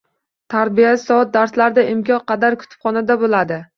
Tarbiyaviy soat darslarida imkon qadar kutubxonada bo’ladi.